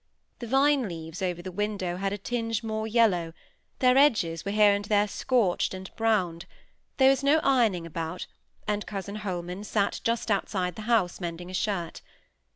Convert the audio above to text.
The vine leaves over the window had a tinge more yellow, their edges were here and there scorched and browned; there was no ironing about, and cousin Holman sate just outside the house, mending a shirt.